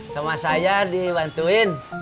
sama saya dibantuin